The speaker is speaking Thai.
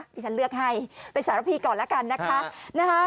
ที่ฉันเลือกให้เป็นสารพีก่อนแล้วกันนะคะ